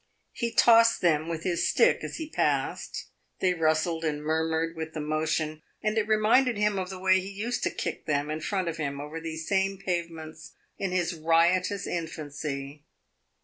He tossed them with his stick as he passed; they rustled and murmured with the motion, and it reminded him of the way he used to kick them in front of him over these same pavements in his riotous infancy.